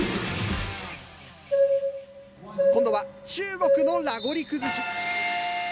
今度は中国のラゴリ崩し。